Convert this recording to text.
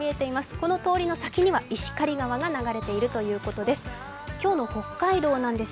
この通りの先には石狩川が流れているということです。